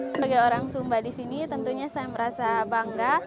sebagai orang sumba di sini tentunya saya merasa bangga